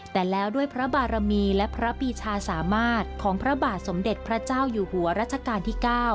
แต่แล้วด้วยพระบารมีและพระปีชาสามารถของพระบาทสมเด็จพระเจ้าอยู่หัวรัชกาลที่๙